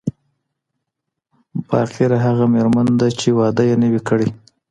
باکره هغه ميرمن ده، چي واده ئې نه وي کړی